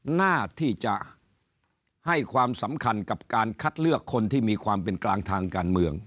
หน้าที่จะให้ความสำคัญกับการคัดเลือกคนที่มีความเป็นกลางทางการเมือง